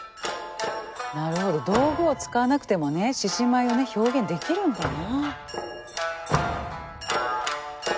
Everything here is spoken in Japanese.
なるほど道具を使わなくてもね獅子舞をね表現できるんだなあ。